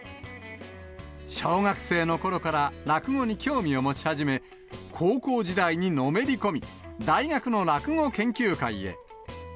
小学生のころから落語に興味を持ち始め、高校時代にのめり込み、大学の落語研究会へ。